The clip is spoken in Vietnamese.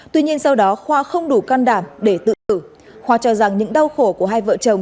tuy nhiên sau đó khoa không đủ can đảm để tự tử khoa cho rằng những đau khổ của hai vợ chồng